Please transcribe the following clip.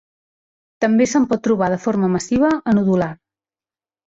També se'n pot trobar de forma massiva a nodular.